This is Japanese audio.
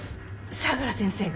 相良先生が？